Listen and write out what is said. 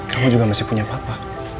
kamu juga masih punya papa